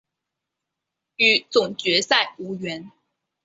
与总决赛无缘。